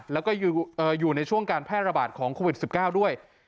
แล้วก็อยู่ในช่วงการแพร่ระบาดของโควิด๑๙ด้วย